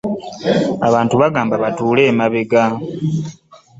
Abantu bagambe batuule emabega.